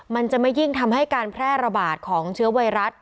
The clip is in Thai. มันจะไม่ยิ่งทำให้การแพร่ระบาดของเชื้อไวรัส